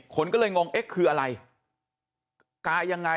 คนก็เลยงงเอ๊ะคืออะไรกายยังไง